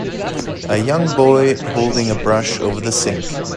A young boy holding a brush over the sink.